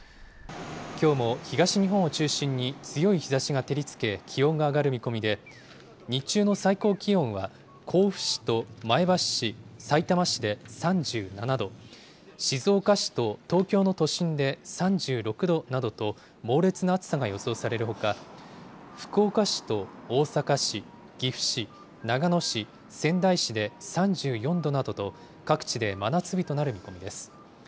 きょうも東日本を中心に強い日ざしが照りつけ、気温が上がる見込みで、日中の最高気温は、甲府市と前橋市、さいたま市で３７度、静岡市と東京の都心で３６度などと猛烈な暑さが予想されるほか、福岡市と大阪市、岐阜市、長野市、仙台市で３４度などと、各地で真夏日となる見込みです。